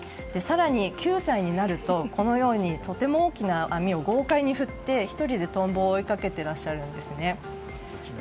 更に９歳になると、このようにとても大きな網を豪快に振って１人でトンボを追いかけていらっしゃるんですね。